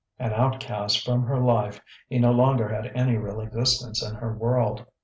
An outcast from her life, he no longer had any real existence in her world.